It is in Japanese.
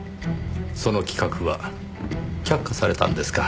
その企画は却下されたんですか。